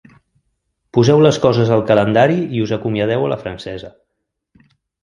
Poseu les coses al calendari i us acomiadeu a la francesa.